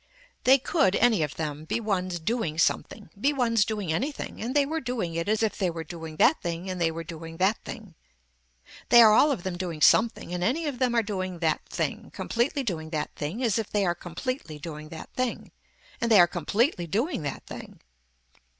They could, any of them, be ones doing something, be ones doing anything and they were doing it as if they were doing that thing and they were doing that thing. They are all of them doing something and any of them are doing that thing, completely doing that thing as if they are completely doing that thing, and they are completely doing that thing.